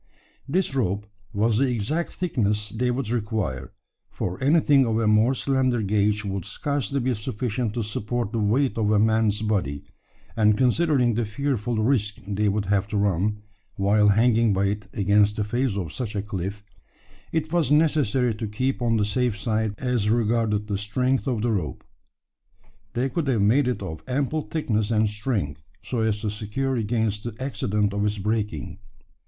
This rope was the exact thickness they would require: for anything of a more slender gauge would scarcely be sufficient to support the weight of a man's body; and considering the fearful risk they would have to run, while hanging by it against the face of such a cliff, it was necessary to keep on the safe side as regarded the strength of the rope. They could have made it of ample thickness and strength, so as to secure against the accident of its breaking.